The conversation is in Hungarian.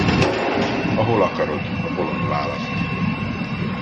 Ahol akarod, a bolond választ.